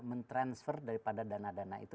mentransfer daripada dana dana itu